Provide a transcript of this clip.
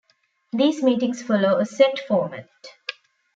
These meetings follow a set format.